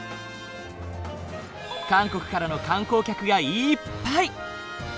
韓国からの観光客がいっぱい。